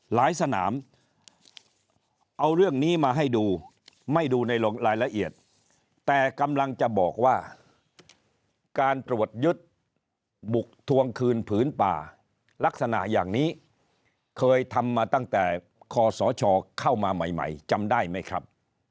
สนามเอาเรื่องนี้มาให้ดูไม่ดูในรายละเอียดแต่กำลังจะบอกว่าการตรวจยึดบุกทวงคืนผืนป่าลักษณะอย่างนี้เคยทำมาตั้งแต่คอสชเข้ามาใหม่จำได้ไหมครับ